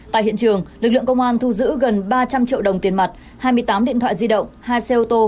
tại hiện trường lực lượng công an thu giữ gần ba trăm linh triệu đồng tiền mặt hai mươi tám điện thoại di động hai xe ô tô